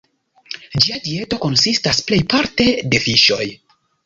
Ĝia dieto konsistas plejparte de fiŝoj.